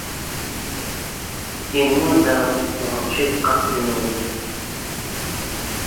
Nnuda ɣef ileqqafen-nwen.